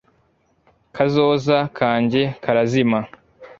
kazoza kanjye karazima